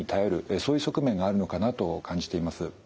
そういう側面があるのかなと感じています。